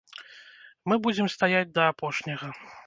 Мы будзем стаяць да апошняга.